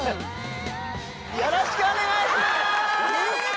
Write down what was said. よろしくお願いします！